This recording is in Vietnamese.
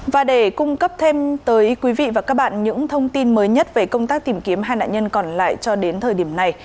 và để cung cấp thêm tới quý vị và các bạn những thông tin mới nhất về công tác tìm kiếm hai nạn nhân còn lại cho đến thời điểm này